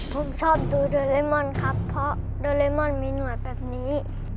ผมชอบดูโดเรมอนครับเพราะโดเรมอนมีหนวดแบบนี้